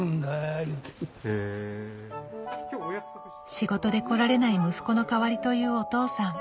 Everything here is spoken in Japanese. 仕事で来られない息子の代わりというお父さん。